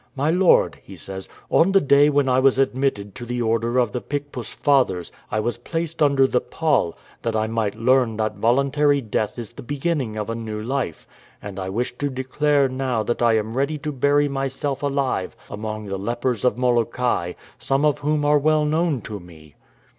" My lord," he said, " on the day when I was admitted to the order of the Picpus Fathers I was placed under the pall, that I might learn that voluntary death is the be ginning of a new life. And I wish to declare now that I am ready to bury myself alive among the lepers of Molokai, some of whom are well known to me."